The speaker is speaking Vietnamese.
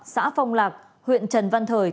xã phong lạc huyện trần văn thời